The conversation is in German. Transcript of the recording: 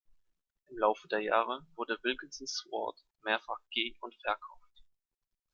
Im Laufe der Jahre wurde Wilkinson Sword mehrfach ge- und verkauft.